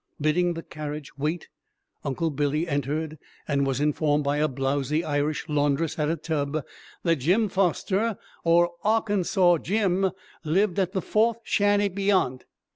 Bidding the carriage wait; Uncle Billy entered, and was informed by a blowzy Irish laundress at a tub that Jim Foster, or "Arkansaw Jim," lived at the fourth shanty "beyant."